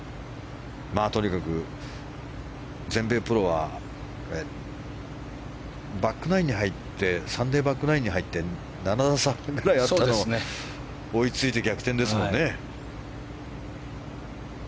とにかく全米プロはサンデーバックナインに入って７打差ぐらいあったのを追いついて逆転ですもんね。